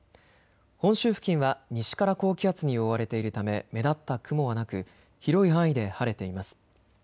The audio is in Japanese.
本州付近は西から高気圧に覆われているため目立った雲はなく、広い範囲で晴れています。